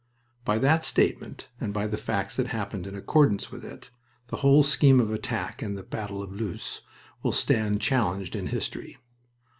By that statement, and by the facts that happened in accordance with it, the whole scheme of attack in the battle of Loos will stand challenged in history.